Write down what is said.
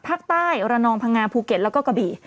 ภาคใต้อุระนองพังงาภูเก็ตแล้วก็กะบิ